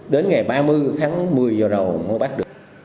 đến ngày ba mươi tháng một mươi giờ đầu mới bắt được